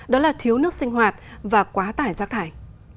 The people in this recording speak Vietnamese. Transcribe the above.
đó là thiếu nước sinh hoạt và quá tải rác thải